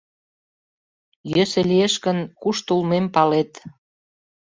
— Йӧсӧ лиеш гын, кушто улмем палет.